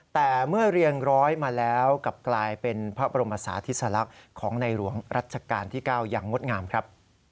แต่เมื่อเรียงร้อยมาแล้วกลับกลายเป็นพระบรมศาธิสลักษณ์ของในหลวงรัชกาลที่๙อย่างงดงามครับ